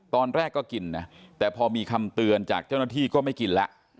ตอนแรกก็กินนะแต่พอมีคำเตือนจากเจ้าหน้าที่ก็ไม่กินแล้ว